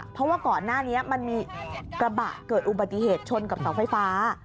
เพราะว่าก่อนหน้านี้มันมีกระบะเกิดอุบัติเหตุชนกับเสาไฟฟ้า